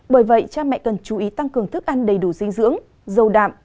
bởi vậy cha mẹ cần chú ý tăng cường thức ăn đầy đủ dinh dưỡng giàu đạm